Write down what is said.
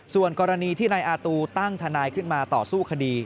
ส่วนกรณีที่นายอาตูตั้งทนายขึ้นมาต่อสู้คดี